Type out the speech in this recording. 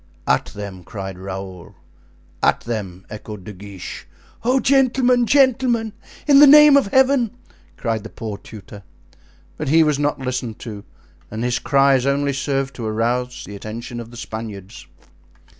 "At them!" cried Raoul. "At them!" echoed De Guiche. "Oh! gentlemen! gentlemen! in the name of Heaven!" cried the poor tutor. But he was not listened to, and his cries only served to arouse the attention of the Spaniards.